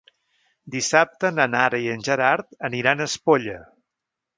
Dissabte na Nara i en Gerard aniran a Espolla.